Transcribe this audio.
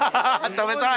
食べたい！